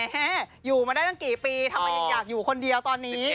อยู่มาได้ตั้งกี่ปีทำไมยังอยากอยู่คนเดียวตอนนี้